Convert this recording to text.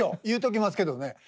言うときますけどね